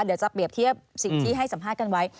เดี๋ยวจะเปรียบเทียบสิ่งที่ให้สัมภาษณ์กันไว้